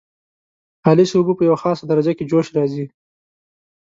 خالصې اوبه په یوه خاصه درجه کې جوش راځي.